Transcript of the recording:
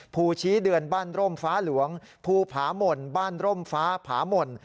ภูชี้เดือนบ้านร่มฟ้าหลวงภูผาหม่นบ้านร่มฟ้าผาหม่น